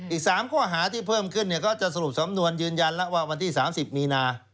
อีก๓ข้อหาที่เพิ่มขึ้นก็จะสรุปสำนวนยืนยันแล้วว่าวันที่๓๐มีนา